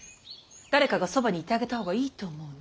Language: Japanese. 誰かがそばにいてあげた方がいいと思うの。